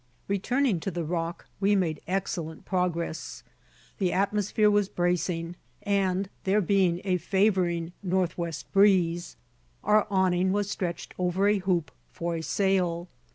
Returning to the Rock, we made excellent progress. The atmosphere was bracing; and there being a favoring northwest breeze, our awning was stretched over a hoop for a sail.